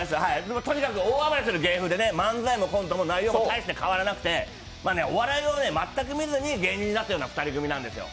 とにかく大暴れする芸風で漫才もコントも内容も大して変わらなくてお笑いを全く見ずに芸人になったような２人組なんですよ。